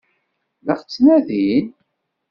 La ɣ-ttnadin?